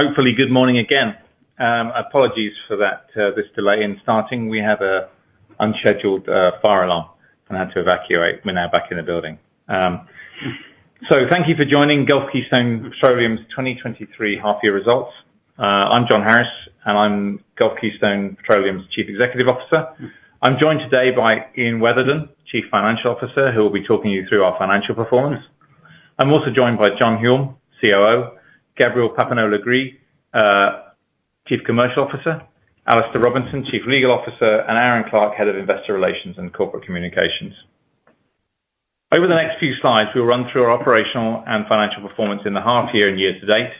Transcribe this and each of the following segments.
Hopefully, good morning again. Apologies for that, this delay in starting. We had a unscheduled fire alarm and had to evacuate. We're now back in the building. So thank you for joining Gulf Keystone Petroleum's 2023 half year results. I'm Jon Harris, and I'm Gulf Keystone Petroleum's Chief Executive Officer. I'm joined today by Ian Weatherdon, Chief Financial Officer, who will be talking you through our financial performance. I'm also joined by John Hulme, COO, Gabriel Papineau-Legris, Chief Commercial Officer, Alasdair Robinson, Chief Legal Officer, and Aaron Clark, Head of Investor Relations and Corporate Communications. Over the next few slides, we'll run through our operational and financial performance in the half year and year to date,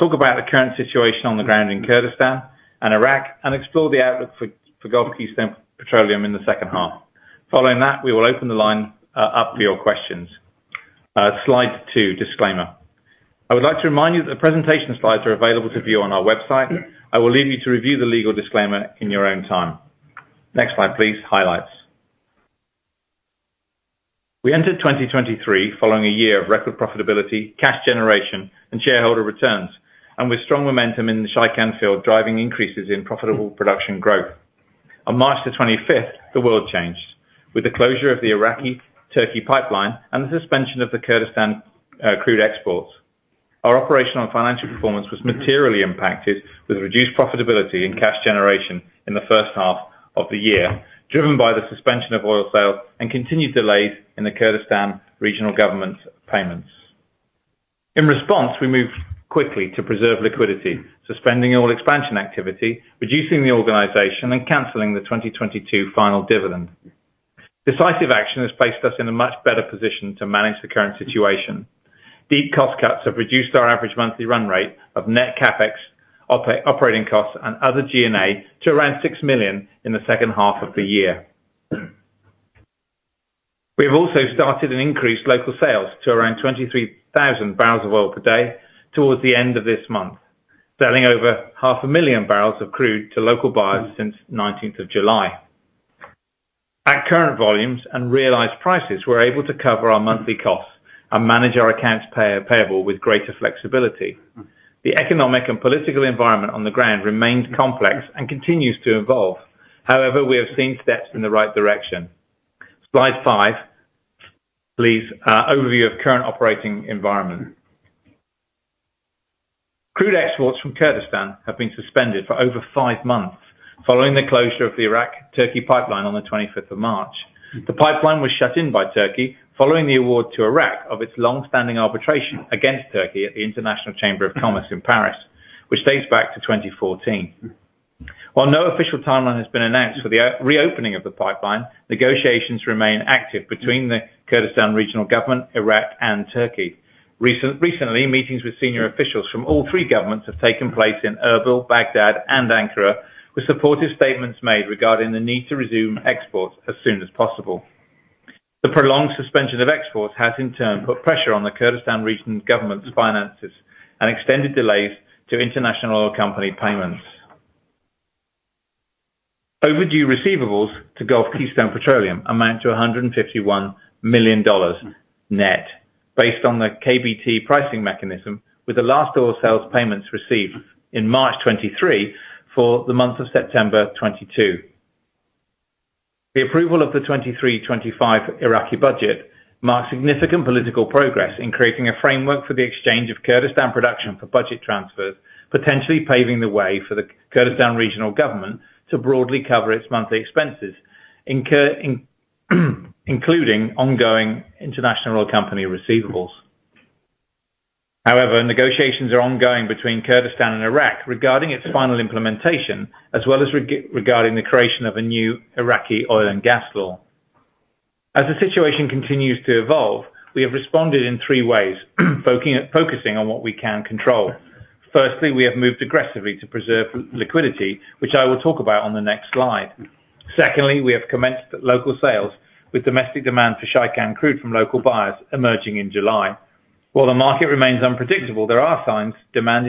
talk about the current situation on the ground in Kurdistan and Iraq, and explore the outlook for Gulf Keystone Petroleum in the second half. Following that, we will open the line up for your questions. Slide 2: Disclaimer. I would like to remind you that the presentation slides are available to view on our website. I will leave you to review the legal disclaimer in your own time. Next slide, please. Highlights. We entered 2023 following a year of record profitability, cash generation, and shareholder returns, and with strong momentum in the Shaikan field, driving increases in profitable production growth. On March 25th, the world changed with the closure of the Iraq-Turkey Pipeline and the suspension of the Kurdistan crude exports. Our operational and financial performance was materially impacted with reduced profitability and cash generation in the first half of the year, driven by the suspension of oil sales and continued delays in the Kurdistan Regional Government's payments. In response, we moved quickly to preserve liquidity, suspending all expansion activity, reducing the organization, and canceling the 2022 final dividend. Decisive action has placed us in a much better position to manage the current situation. Deep cost cuts have reduced our average monthly run rate of net CapEx, operating costs, and other G&A to around $6 million in the second half of the year. We have also started and increased local sales to around 23,000 barrels of oil per day towards the end of this month, selling over 500,000 bbls of crude to local buyers since July 19th. At current volumes and realized prices, we're able to cover our monthly costs and manage our accounts payable with greater flexibility. The economic and political environment on the ground remains complex and continues to evolve. However, we have seen steps in the right direction. Slide five, please. Overview of current operating environment. Crude exports from Kurdistan have been suspended for over five months following the closure of the Iraq-Turkey Pipeline on the25th of March. The pipeline was shut in by Turkey following the award to Iraq of its long-standing arbitration against Turkey at the International Chamber of Commerce in Paris, which dates back to 2014. While no official timeline has been announced for the reopening of the pipeline, negotiations remain active between the Kurdistan Regional Government, Iraq, and Turkey. Recently, meetings with senior officials from all three governments have taken place in Erbil, Baghdad, and Ankara, with supportive statements made regarding the need to resume exports as soon as possible. The prolonged suspension of exports has in turn put pressure on the Kurdistan Regional Government's finances and extended delays to international oil company payments. Overdue receivables to Gulf Keystone Petroleum amount to $151 million net based on the KBT pricing mechanism, with the last oil sales payments received in March 2023 for the month of September 2022. The approval of the 2023-2025 Iraqi budget marks significant political progress in creating a framework for the exchange of Kurdistan production for budget transfers, potentially paving the way for the Kurdistan Regional Government to broadly cover its monthly expenses incurred in, including ongoing international oil company receivables. However, negotiations are ongoing between Kurdistan and Iraq regarding its final implementation, as well as regarding the creation of a new Iraqi oil and gas law. As the situation continues to evolve, we have responded in three ways, focusing on what we can control. Firstly, we have moved aggressively to preserve liquidity, which I will talk about on the next slide. Secondly, we have commenced local sales with domestic demand for Shaikan crude from local buyers emerging in July. While the market remains unpredictable, there are signs demand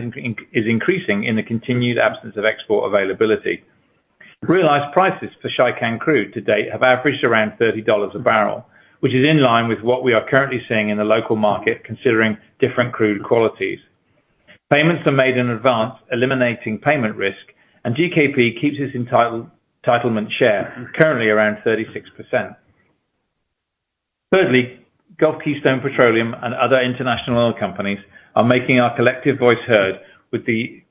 is increasing in the continued absence of export availability. Realized prices for Shaikan crude to date have averaged around $30 a barrel, which is in line with what we are currently seeing in the local market, considering different crude qualities. Payments are made in advance, eliminating payment risk, and GKP keeps its entitlement share, currently around 36%. Thirdly, Gulf Keystone Petroleum and other international oil companies are making our collective voice heard with the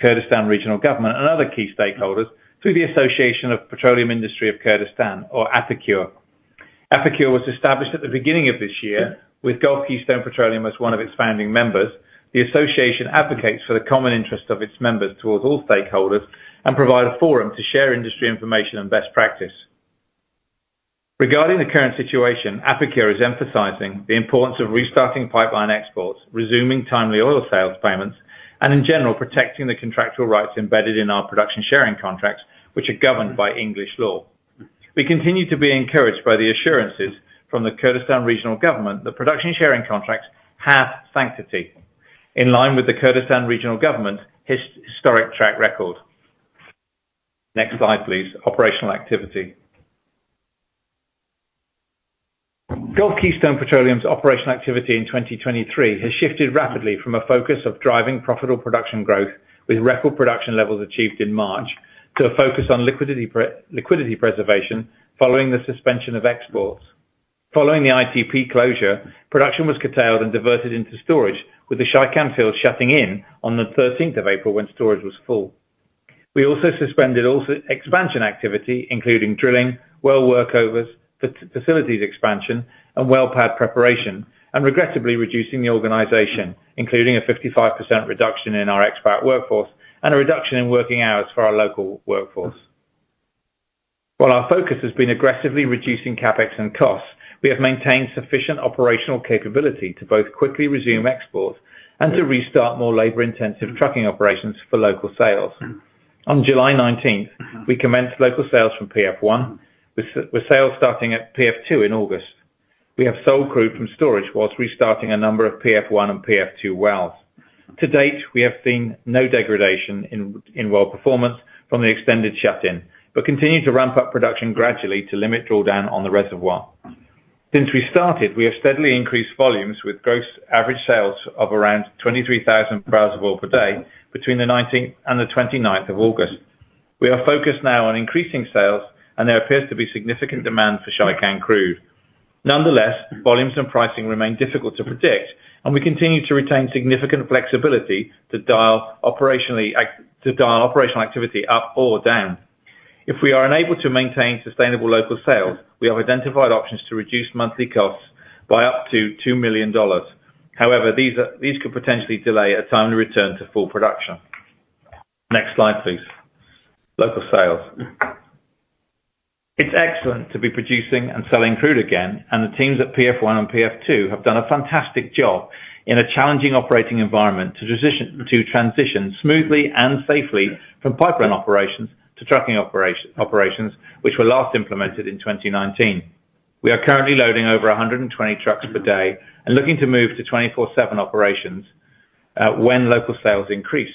Kurdistan Regional Government and other key stakeholders through the Association of Petroleum Industry of Kurdistan, or APIKUR. APIKUR was established at the beginning of this year with Gulf Keystone Petroleum as one of its founding members. The association advocates for the common interest of its members towards all stakeholders and provide a forum to share industry information and best practice. Regarding the current situation, APIKUR is emphasizing the importance of restarting pipeline exports, resuming timely oil sales payments, and in general, protecting the contractual rights embedded in our production sharing contracts, which are governed by English law. We continue to be encouraged by the assurances from the Kurdistan Regional Government that production sharing contracts have sanctity in line with the Kurdistan Regional Government historic track record. Next slide, please. Operational activity. Gulf Keystone Petroleum's operational activity in 2023 has shifted rapidly from a focus of driving profitable production growth with record production levels achieved in March, to a focus on liquidity preservation following the suspension of exports. Following the ITP closure, production was curtailed and diverted into storage, with the Shaikan field shutting in on the 13th of April when storage was full. We suspended expansion activity, including drilling, well workovers, facilities expansion, and well pad preparation, and regrettably reducing the organization, including a 55% reduction in our expat workforce and a reduction in working hours for our local workforce. While our focus has been aggressively reducing CapEx and costs, we have maintained sufficient operational capability to both quickly resume exports and to restart more labor-intensive trucking operations for local sales. On July 19th, we commenced local sales from PF-1, with sales starting at PF-2 in August. We have sold crude from storage while restarting a number of PF-1 and PF-2 wells. To date, we have seen no degradation in well performance from the extended shut-in, but continue to ramp up production gradually to limit drawdown on the reservoir. Since we started, we have steadily increased volumes with gross average sales of around 23,000 barrels of oil per day between the 19th and the 29th of August. We are focused now on increasing sales, and there appears to be significant demand for Shaikan crude. Nonetheless, volumes and pricing remain difficult to predict, and we continue to retain significant flexibility to dial operational activity up or down. If we are unable to maintain sustainable local sales, we have identified options to reduce monthly costs by up to $2 million. However, these could potentially delay a timely return to full production. Next slide, please. Local sales. It's excellent to be producing and selling crude again, and the teams at PF-1 and PF-2 have done a fantastic job in a challenging operating environment to transition smoothly and safely from pipeline operations to trucking operations, which were last implemented in 2019. We are currently loading over 120 trucks per day and looking to move to 24/7 operations when local sales increase.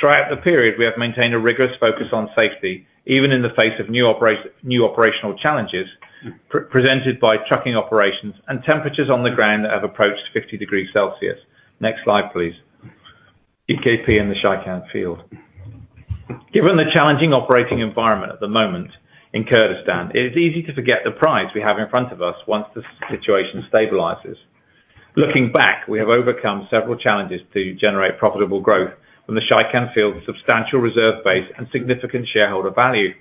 Throughout the period, we have maintained a rigorous focus on safety, even in the face of new operational challenges presented by trucking operations and temperatures on the ground that have approached 50 degrees Celsius. Next slide, please. GKP in the Shaikan field. Given the challenging operating environment at the moment in Kurdistan, it is easy to forget the prize we have in front of us once the situation stabilizes. Looking back, we have overcome several challenges to generate profitable growth from the Shaikan field, the substantial reserve base and significant shareholder value.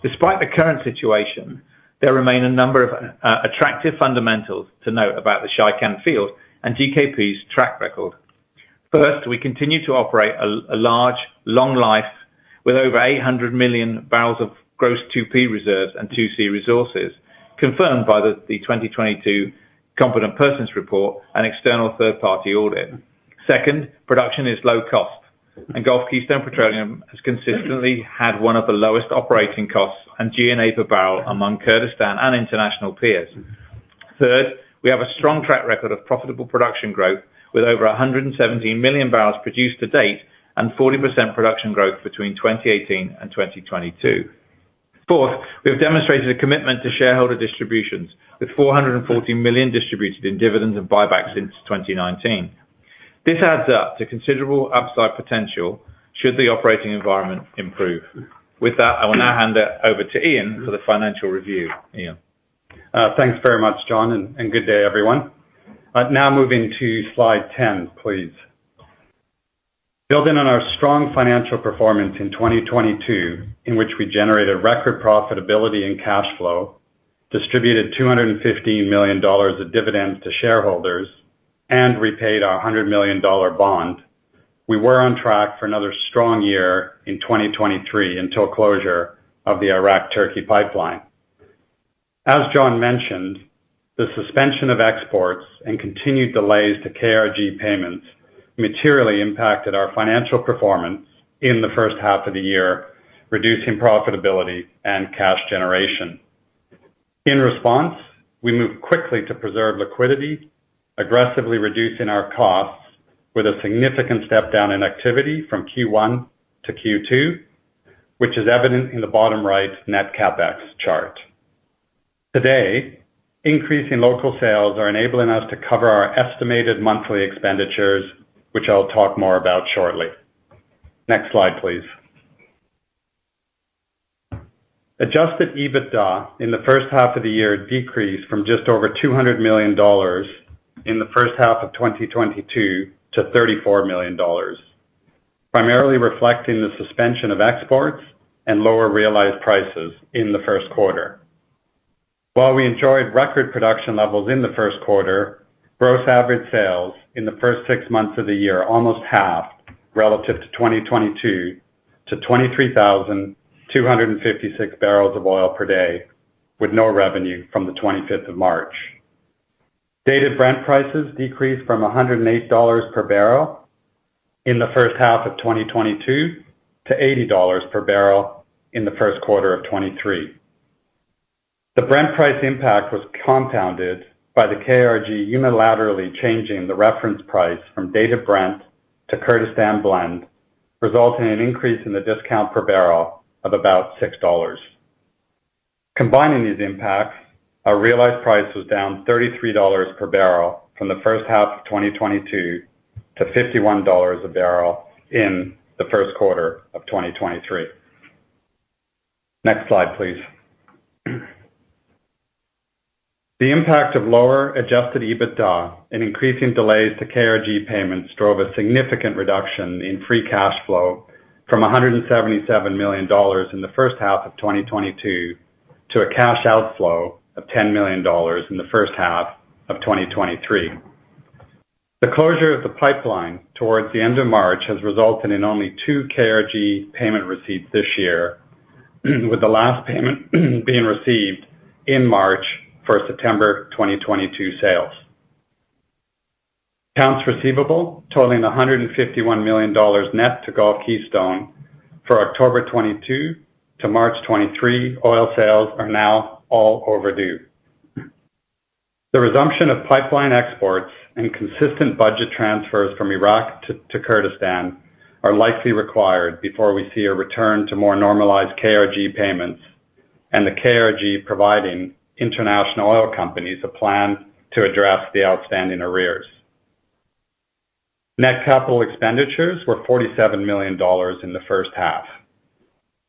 Despite the current situation, there remain a number of attractive fundamentals to note about the Shaikan field and GKP's track record. First, we continue to operate a large, long life with over 800 million bbls of gross 2P reserves and 2C resources, confirmed by the 2022 Competent Person's Report and external third-party audit. Second, production is low cost, and Gulf Keystone Petroleum has consistently had one of the lowest operating costs and G&A per barrel among Kurdistan and international peers. Third, we have a strong track record of profitable production growth, with over 117 million bbls produced to date and 40% production growth between 2018 and 2022. Fourth, we have demonstrated a commitment to shareholder distributions, with $414 million distributed in dividends and buybacks since 2019. This adds up to considerable upside potential should the operating environment improve. With that, I will now hand it over to Ian for the financial review. Ian? Thanks very much, Jon, and good day, everyone. Now moving to Slide 10, please. Building on our strong financial performance in 2022, in which we generated record profitability and cash flow, distributed $250 million of dividends to shareholders, and repaid our $100 million bond, we were on track for another strong year in 2023 until closure of the Iraq-Turkey Pipeline. As Jon mentioned, the suspension of exports and continued delays to KRG payments materially impacted our financial performance in the first half of the year, reducing profitability and cash generation. In response, we moved quickly to preserve liquidity, aggressively reducing our costs with a significant step down in activity from Q1 to Q2, which is evident in the bottom right net CapEx chart. Today, increasing local sales are enabling us to cover our estimated monthly expenditures, which I'll talk more about shortly. Next slide, please. Adjusted EBITDA in the first half of the year decreased from just over $200 million in the first half of 2022 to $34 million, primarily reflecting the suspension of exports and lower realized prices in the first quarter. While we enjoyed record production levels in the first quarter, gross average sales in the first six months of the year almost halved relative to 2022 to 23,256 barrels of oil per day, with no revenue from the 25th of March. Dated Brent prices decreased from $108 per barrel in the first half of 2022 to $80 per barrel in the first quarter of 2023. The Brent price impact was compounded by the KRG unilaterally changing the reference price from Dated Brent to Kurdistan Blend resulting in an increase in the discount per barrel of about $6. Combining these impacts, our realized price was down $33 per barrel from the first half of 2022 to $51 a barrel in the first quarter of 2023. Next slide, please. The impact of lower Adjusted EBITDA and increasing delays to KRG payments drove a significant reduction in free cash flow from $177 million in the first half of 2022, to a cash outflow of $10 million in the first half of 2023. The closure of the pipeline towards the end of March has resulted in only two KRG payment receipts this year, with the last payment being received in March for September 2022 sales. Accounts receivable totaling $151 million net to Gulf Keystone for October 2022 to March 2023; oil sales are now all overdue. The resumption of pipeline exports and consistent budget transfers from Iraq to Kurdistan are likely required before we see a return to more normalized KRG payments, and the KRG providing international oil companies a plan to address the outstanding arrears. Net capital expenditures were $47 million in the first half.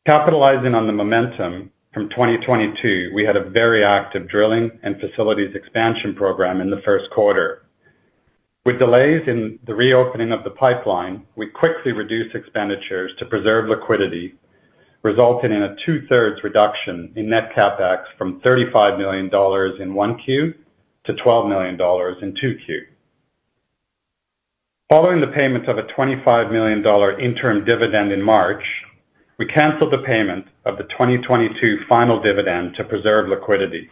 Capitalizing on the momentum from 2022, we had a very active drilling and facilities expansion program in the first quarter. With delays in the reopening of the pipeline, we quickly reduced expenditures to preserve liquidity, resulting in a two-thirds reduction in net CapEx from $35 million in 1Q to $12 million in 2Q. Following the payment of a $25 million interim dividend in March, we canceled the payment of the 2022 final dividend to preserve liquidity.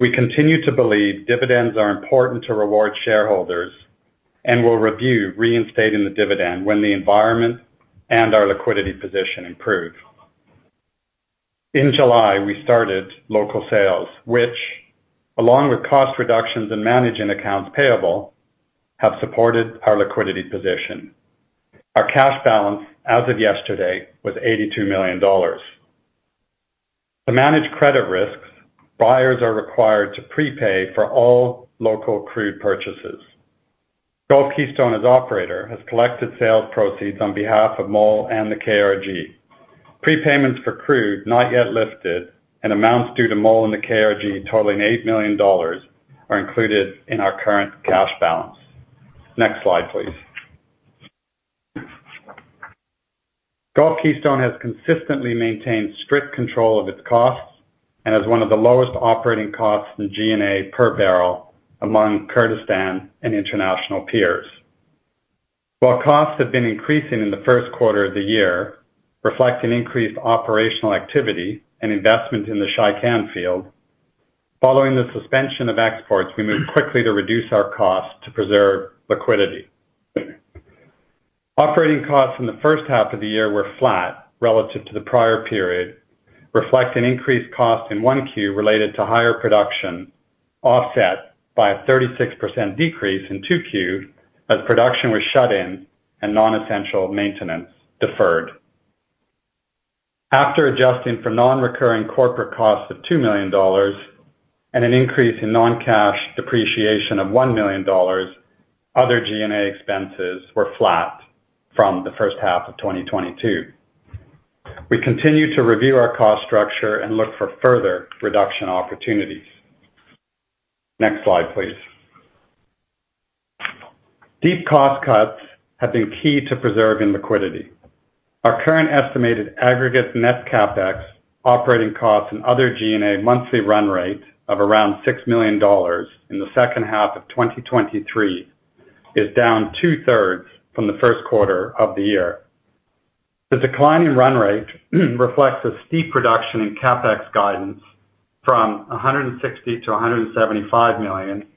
We continue to believe dividends are important to reward shareholders, and will review reinstating the dividend when the environment and our liquidity position improve. In July, we started local sales, which, along with cost reductions and managing accounts payable, have supported our liquidity position. Our cash balance as of yesterday was $82 million. To manage credit risks, buyers are required to prepay for all local crude purchases. Gulf Keystone, as operator, has collected sales proceeds on behalf of MOL and the KRG. Prepayments for crude, not yet lifted, and amounts due to MOL and the KRG totaling $8 million are included in our current cash balance. Next slide, please. Gulf Keystone has consistently maintained strict control of its costs and has one of the lowest operating costs in G&A per barrel among Kurdistan and international peers. While costs have been increasing in the first quarter of the year, reflecting increased operational activity and investment in the Shaikan field, following the suspension of exports, we moved quickly to reduce our costs to preserve liquidity. Operating costs in the first half of the year were flat relative to the prior period, reflecting increased costs in 1Q related to higher production, offset by a 36% decrease in 2Q, as production was shut in and non-essential maintenance deferred. After adjusting for non-recurring corporate costs of $2 million and an increase in non-cash depreciation of $1 million, other G&A expenses were flat from the first half of 2022. We continue to review our cost structure and look for further reduction opportunities. Next slide, please. Deep cost cuts have been key to preserving liquidity. Our current estimated aggregate net CapEx, operating costs, and other G&A monthly run rate of around $6 million in the second half of 2023, is down two-thirds from the first quarter of the year. The decline in run rate reflects a steep reduction in CapEx guidance from $160 million-$175 million,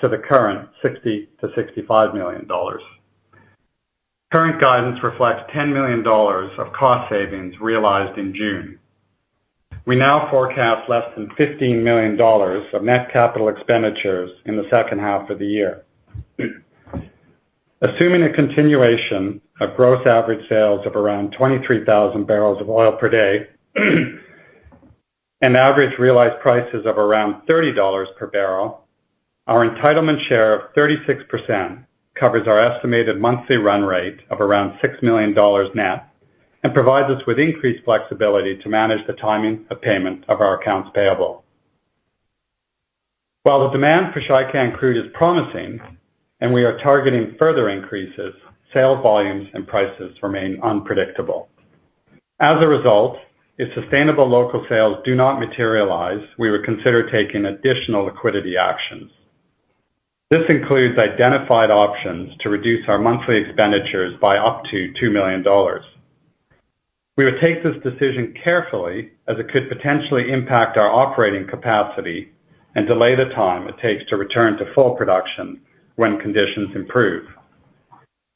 to the current $60 million-$65 million. Current guidance reflects $10 million of cost savings realized in June. We now forecast less than $15 million of net capital expenditures in the second half of the year. Assuming a continuation of gross average sales of around 23,000 barrels of oil per day, and average realized prices of around $30 per barrel, our entitlement share of 36% covers our estimated monthly run rate of around $6 million net, and provides us with increased flexibility to manage the timing of payment of our accounts payable. While the demand for Shaikan crude is promising, and we are targeting further increases, sales volumes and prices remain unpredictable. As a result, if sustainable local sales do not materialize, we would consider taking additional liquidity actions. This includes identified options to reduce our monthly expenditures by up to $2 million. We will take this decision carefully, as it could potentially impact our operating capacity and delay the time it takes to return to full production when conditions improve.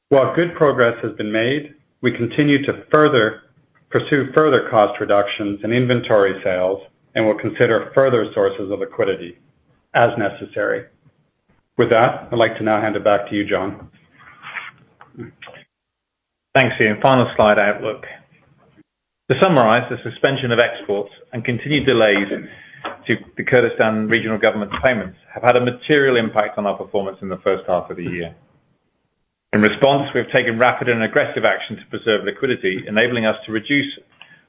While good progress has been made, we continue to pursue further cost reductions and inventory sales, and will consider further sources of liquidity as necessary. ...With that, I'd like to now hand it back to you, Jon. Thanks, Ian. Final slide, outlook. To summarize, the suspension of exports and continued delays to the Kurdistan Regional Government's payments have had a material impact on our performance in the first half of the year. In response, we have taken rapid and aggressive action to preserve liquidity, enabling us to reduce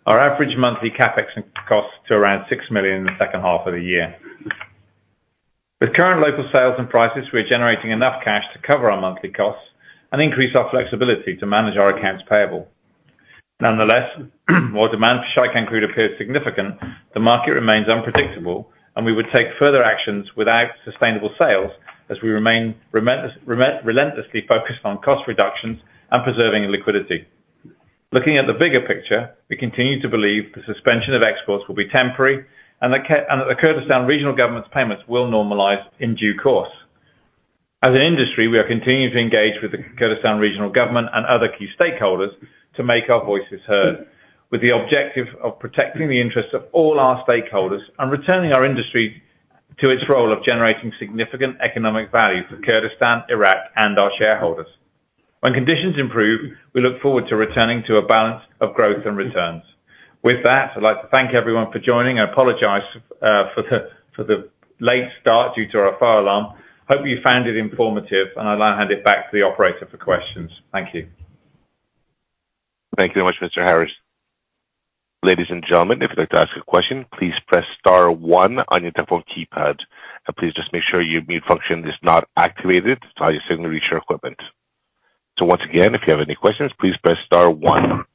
our average monthly CapEx and costs to around $6 million in the second half of the year. With current local sales and prices, we're generating enough cash to cover our monthly costs and increase our flexibility to manage our accounts payable. Nonetheless, while demand for Shaikan crude appears significant, the market remains unpredictable, and we would take further actions without sustainable sales as we remain relentlessly focused on cost reductions and preserving liquidity. Looking at the bigger picture, we continue to believe the suspension of exports will be temporary and the Kurdistan Regional Government's payments will normalize in due course. As an industry, we are continuing to engage with the Kurdistan Regional Government and other key stakeholders to make our voices heard, with the objective of protecting the interests of all our stakeholders and returning our industry to its role of generating significant economic value for Kurdistan, Iraq, and our shareholders. When conditions improve, we look forward to returning to a balance of growth and returns. With that, I'd like to thank everyone for joining. I apologize for the late start due to our fire alarm. Hope you found it informative, and I'll now hand it back to the operator for questions. Thank you. Thank you very much, Mr. Harris. Ladies and gentlemen, if you'd like to ask a question, please press star one on your telephone keypad. Please just make sure your mute function is not activated, so I just simply reach your equipment. Once again, if you have any questions, please press star one.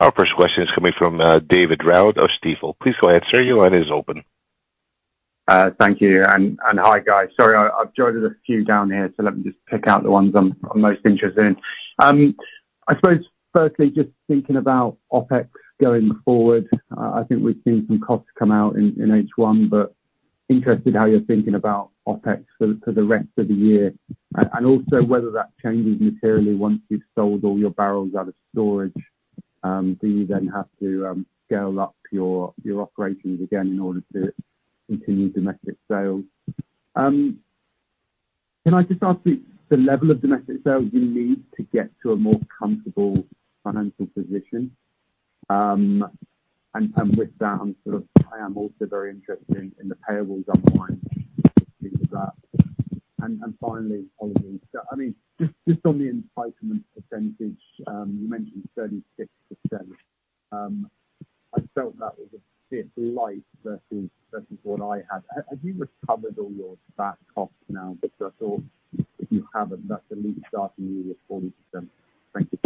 Our first question is coming from David Round of Stifel. Please go ahead, sir. Your line is open. Thank you, and hi, guys. Sorry, I've jotted a few down here, so let me just pick out the ones I'm most interested in. I suppose firstly, just thinking about OpEx going forward, I think we've seen some costs come out in H1, but interested how you're thinking about OpEx for the rest of the year, and also whether that changes materially once you've sold all your barrels out of storage, do you then have to scale up your operations again in order to continue domestic sales? Can I just ask the level of domestic sales you need to get to a more comfortable financial position? And with that, I'm sort of, I am also very interested in the payables online with that. And finally, apologies. I mean, just on the entitlement percentage, you mentioned 36%. I felt that was a bit light versus what I had. Have you recovered all your back costs now? Because I thought if you haven't, that's at least got you your 40%. Thank you.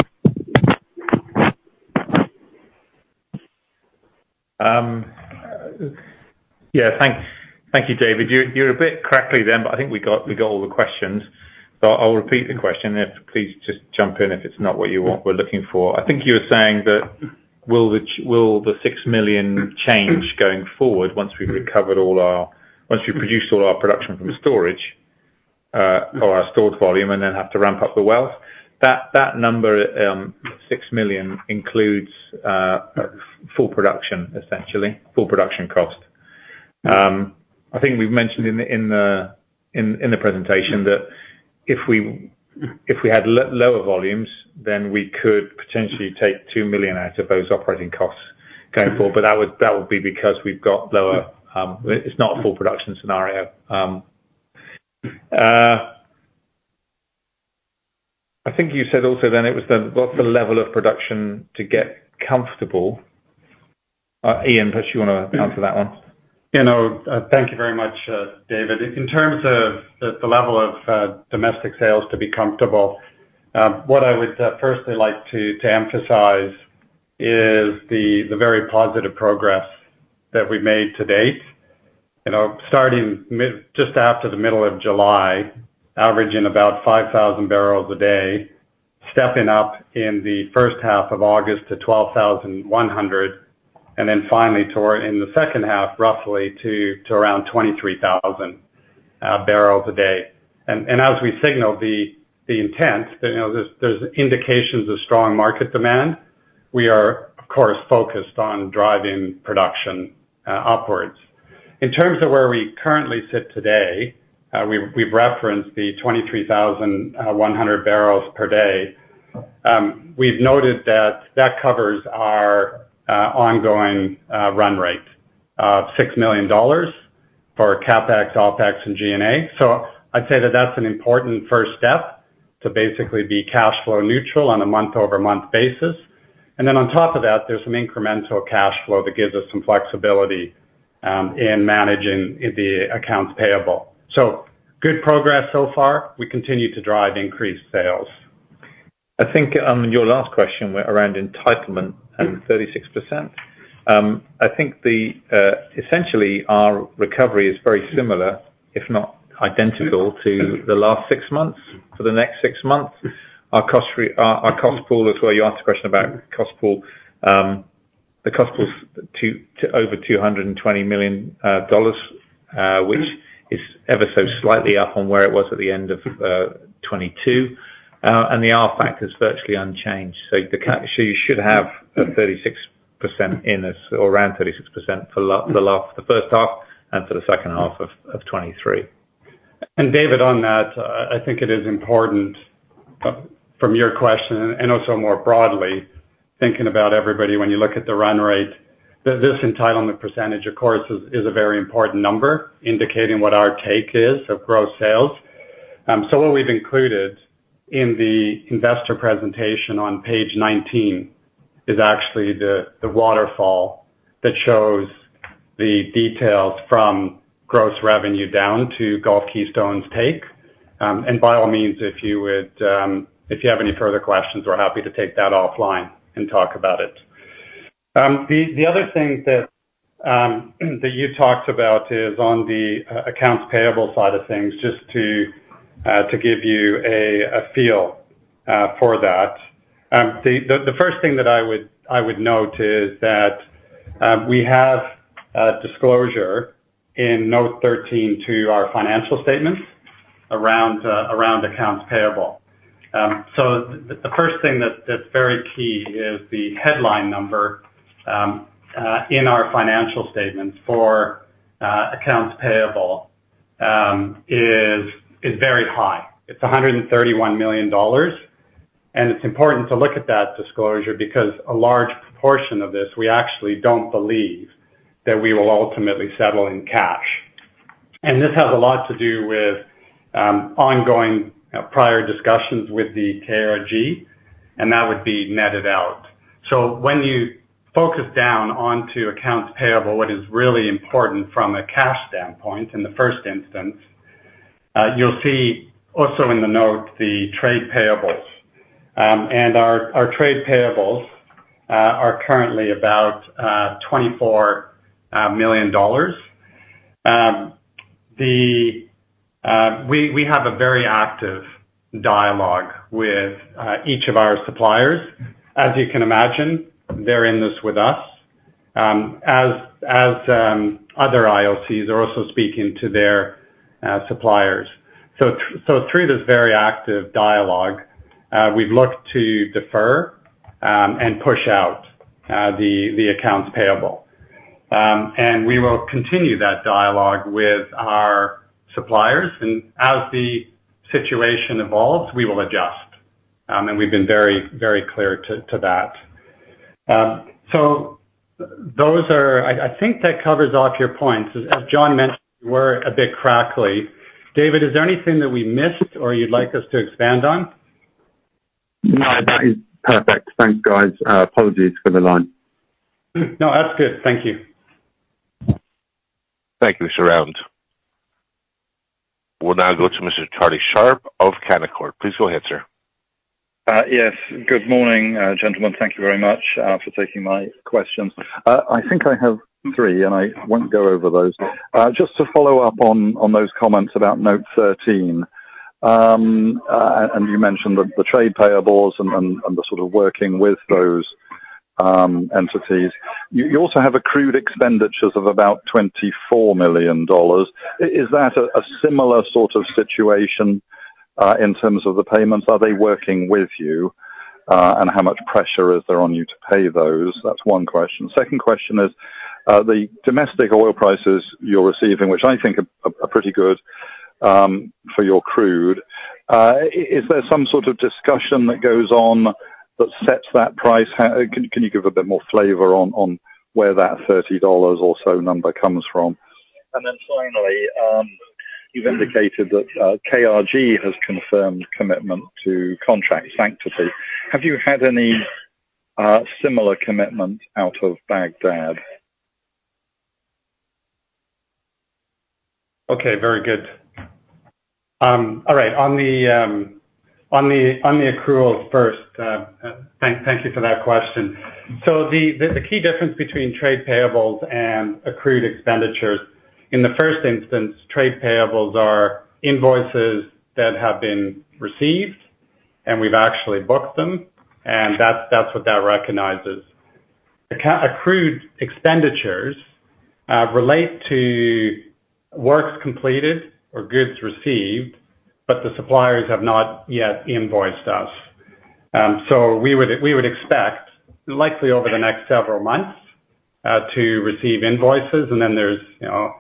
Yeah. Thank you, David. You're a bit crackly then, but I think we got all the questions. So I'll repeat the question. Please just jump in if it's not what you want, we're looking for. I think you were saying that will the $6 million change going forward once we've recovered all our... Once we've produced all our production from storage, or our stored volume, and then have to ramp up the wells? That number, $6 million, includes full production, essentially, full production cost. I think we've mentioned in the presentation that if we had lower volumes, then we could potentially take $2 million out of those operating costs going forward. But that would be because we've got lower... It's not a full production scenario. I think you said also then it was the, what's the level of production to get comfortable? Ian, unless you wanna answer that one? You know, thank you very much, David. In terms of the, the level of domestic sales to be comfortable, what I would firstly like to emphasize is the, the very positive progress that we've made to date. You know, starting just after the middle of July, averaging about 5,000 bbls a day, stepping up in the first half of August to 12,100, and then finally toward in the second half, roughly to around 23,000 barrels a day. As we signal the, the intent, you know, there's indications of strong market demand. We are, of course, focused on driving production upwards. In terms of where we currently sit today, we've referenced the 23,100 bbls per day. We've noted that that covers our ongoing run rate of $6 million for CapEx, OpEx, and G&A. So I'd say that that's an important first step to basically be cash flow neutral on a month-over-month basis. And then on top of that, there's some incremental cash flow that gives us some flexibility in managing the accounts payable. So good progress so far. We continue to drive increased sales. I think your last question was around entitlement and 36%. I think the essentially, our recovery is very similar, if not identical, to the last six months. For the next six months, our cost pool, as well, you asked a question about cost pool. The cost pool's $200 million to over $220 million, which is ever so slightly up on where it was at the end of 2022. And the R factor is virtually unchanged, so you should have a 36%-... 36% in this, or around 36% for the first half and for the second half of 2023. And David, on that, I think it is important from your question, and also more broadly, thinking about everybody when you look at the run rate, that this entitlement percentage, of course, is a very important number, indicating what our take is of gross sales. So what we've included in the investor presentation on page 19 is actually the waterfall that shows the details from gross revenue down to Gulf Keystone's take. And by all means, if you would, if you have any further questions, we're happy to take that offline and talk about it. The other thing that you talked about is on the accounts payable side of things, just to give you a feel for that. The first thing that I would note is that we have a disclosure in note 13 to our financial statements around accounts payable. So the first thing that's very key is the headline number in our financial statements for accounts payable is very high. It's $131 million, and it's important to look at that disclosure because a large proportion of this, we actually don't believe that we will ultimately settle in cash. And this has a lot to do with ongoing prior discussions with the KRG, and that would be netted out. So when you focus down onto accounts payable, what is really important from a cash standpoint, in the first instance, you'll see also in the note, the trade payables. And our trade payables are currently about $24 million. We have a very active dialogue with each of our suppliers. As you can imagine, they're in this with us, as other IOCs are also speaking to their suppliers. So through this very active dialogue, we've looked to defer and push out the accounts payable. And we will continue that dialogue with our suppliers, and as the situation evolves, we will adjust. And we've been very, very clear to that. So those are. I think that covers off your points. As Jon mentioned, you we're a bit crackly. David, is there anything that we missed or you'd like us to expand on? No, that is perfect. Thanks, guys. Apologies for the line. No, that's good. Thank you. Thank you, sir. We'll now go to Mr. Charlie Sharp of Canaccord. Please go ahead, sir. Yes. Good morning, gentlemen. Thank you very much for taking my questions. I think I have three, and I won't go over those. Just to follow up on those comments about Note 13, and you mentioned the trade payables and the sort of working with those entities. You also have accrued expenditures of about $24 million. Is that a similar sort of situation in terms of the payments? Are they working with you? And how much pressure is there on you to pay those? That's one question. Second question is, the domestic oil prices you're receiving, which I think are pretty good for your crude. Is there some sort of discussion that goes on that sets that price? How... Can you give a bit more flavor on where that $30 or so number comes from? And then finally, you've indicated that KRG has confirmed commitment to contract sanctity. Have you had any similar commitment out of Baghdad? Okay. Very good. All right, on the accruals first, thank you for that question. So the key difference between trade payables and accrued expenditures, in the first instance, trade payables are invoices that have been received, and we've actually booked them, and that's what that recognizes. Accrued expenditures relate to works completed or goods received, but the suppliers have not yet invoiced us. So we would expect, likely over the next several months, to receive invoices, and then there's, you know,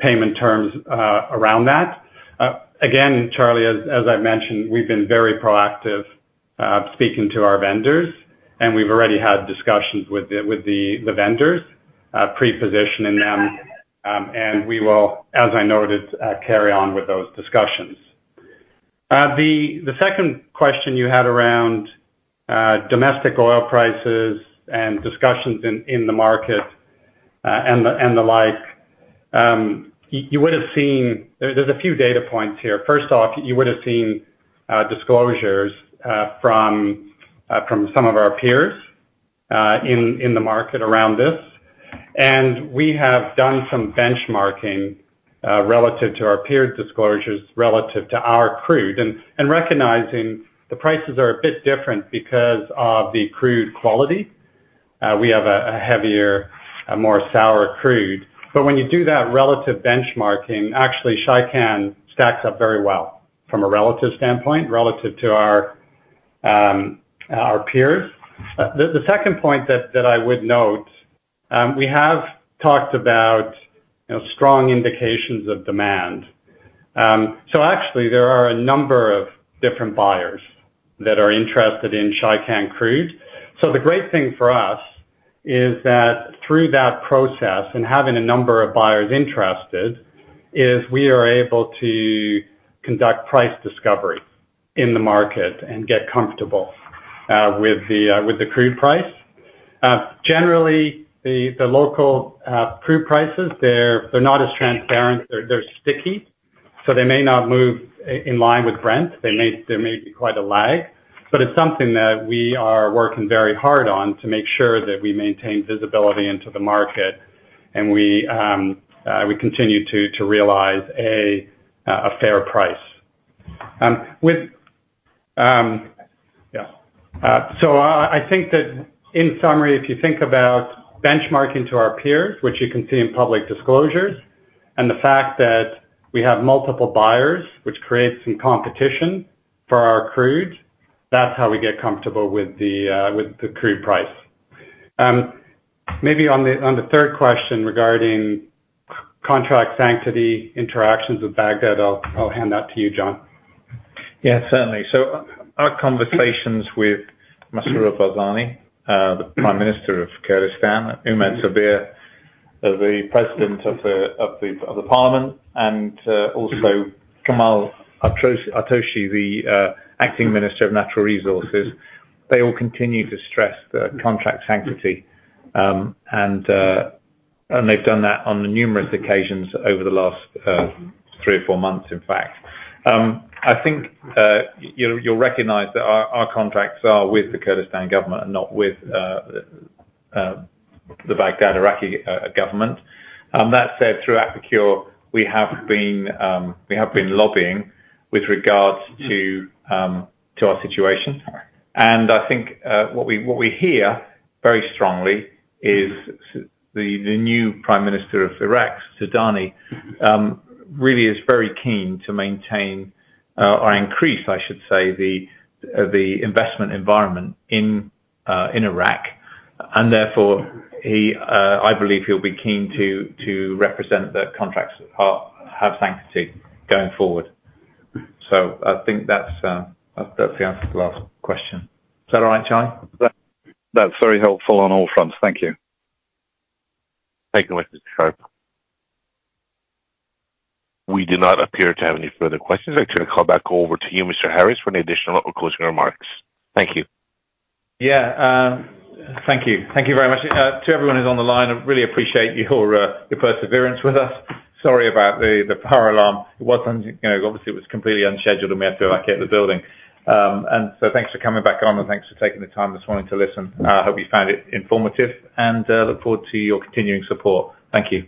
payment terms around that. Again, Charlie, as I've mentioned, we've been very proactive speaking to our vendors, and we've already had discussions with the vendors, pre-positioning them, and we will, as I noted, carry on with those discussions. The second question you had around domestic oil prices and discussions in the market and the like, you would have seen. There's a few data points here. First off, you would have seen disclosures from some of our peers in the market around this, and we have done some benchmarking relative to our peer disclosures, relative to our crude, and recognizing the prices are a bit different because of the crude quality. We have a heavier, a more sour crude, but when you do that relative benchmarking, actually, Shaikan stacks up very well from a relative standpoint, relative to our peers. The second point that I would note, we have talked about, you know, strong indications of demand. So actually there are a number of different buyers that are interested in Shaikan crude. So the great thing for us is that through that process and having a number of buyers interested, we are able to conduct price discovery in the market and get comfortable with the crude price. Generally, the local crude prices, they're not as transparent. They're sticky, so they may not move in line with Brent. They may be quite a lag. But it's something that we are working very hard on to make sure that we maintain visibility into the market, and we continue to realize a fair price. So, I think that in summary, if you think about benchmarking to our peers, which you can see in public disclosures, and the fact that we have multiple buyers, which creates some competition for our crude, that's how we get comfortable with the crude price. Maybe on the third question regarding contract sanctity, interactions with Baghdad, I'll hand that to you, Jon. Yeah, certainly. So our conversations with Masrour Barzani, the Prime Minister of Kurdistan, Umed Sabah, the President of the Parliament, and also Kamal Atroshi, the Acting Minister of Natural Resources, they all continue to stress the contract sanctity. And they've done that on numerous occasions over the last three or four months, in fact. I think you'll recognize that our contracts are with the Kurdistan government and not with the Baghdad Iraqi government. That said, through APIKUR, we have been lobbying with regards to our situation. I think what we, what we hear very strongly is the new Prime Minister of Iraq, Sudani, really is very keen to maintain, or increase, I should say, the investment environment in Iraq. And therefore he, I believe he'll be keen to represent the contracts have sanctity going forward. So I think that's the answer to the last question. Is that all right, Charlie? That's very helpful on all fronts. Thank you. Thank you, Mr. Sharp. We do not appear to have any further questions. I'd actually call back over to you, Mr. Harris, for any additional or closing remarks. Thank you. Yeah. Thank you. Thank you very much to everyone who's on the line. I really appreciate your perseverance with us. Sorry about the fire alarm. It was, you know, obviously completely unscheduled, and we had to evacuate the building. So thanks for coming back on, and thanks for taking the time this morning to listen. I hope you found it informative and look forward to your continuing support. Thank you.